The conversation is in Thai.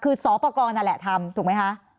คือสอปกรนั่นแหละทำถูกไหมคะ